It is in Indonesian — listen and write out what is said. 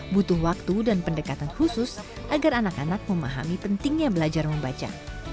butuh waktu dan pendekatan khusus agar anak anak memahami pentingnya belajar membaca